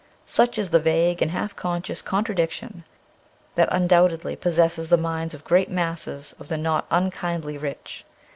Such is the vague and half conscious contradiction that un doubtedly possesses the minds of great masses of the not unkindly rich.